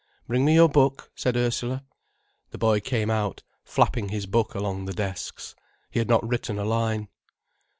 "Bring me your book," said Ursula. The boy came out, flapping his book along the desks. He had not written a line.